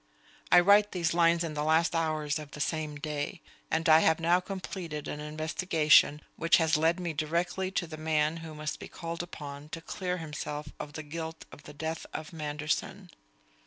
I write these lines in the last hours of the same day; and I have now completed an investigation which has led me directly to the man who must be called upon to clear himself of the guilt of the death of Manderson.